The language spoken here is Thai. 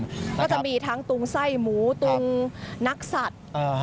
ก็จะมีทั้งตุงไส้หมูตุงนักสัตว์